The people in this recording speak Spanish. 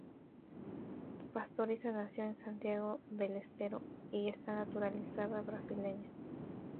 Pastoriza nació en Santiago del Estero, y está naturalizada brasileña.